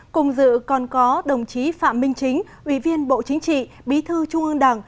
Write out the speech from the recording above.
cùng dự còn có đồng chí phạm minh chính ủy viên bộ chính trị bí thư trung ương đảng